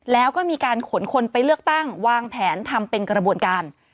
แล้วก็มีการขนคนไปเลือกตั้งวางแผนทำเป็นกระบวนการ